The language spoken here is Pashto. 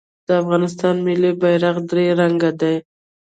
د افغانستان ملي بیرغ درې رنګه دی